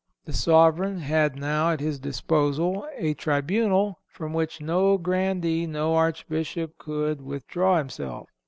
The sovereign had now at his disposal a tribunal from which no grandee, no Archbishop, could withdraw himself.